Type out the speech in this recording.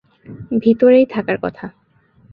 ভিতরেই থাকার কথা।